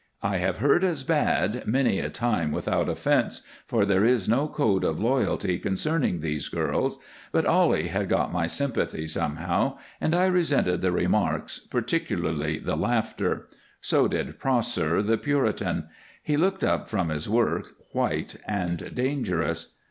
I have heard as bad many a time without offense, for there is no code of loyalty concerning these girls, but Ollie had got my sympathy, somehow, and I resented the remarks, particularly the laughter. So did Prosser, the Puritan. He looked up from his work, white and dangerous.